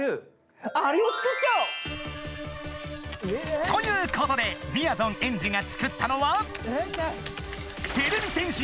そうだ！ということでみやぞんエンジが作ったのは。